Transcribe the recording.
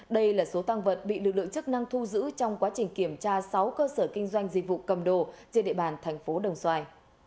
đây là số tăng vật bị lực lượng chức năng thu giữ trong quá trình kiểm tra sáu cơ sở kinh doanh dịch vụ cầm đồ trên địa bàn thành phố đồng xoài